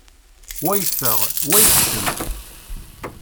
Wa yeffeɣ, wa yekcem.